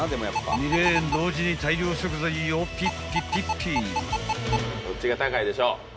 ［２レーン同時に大量食材をピッピピッピ］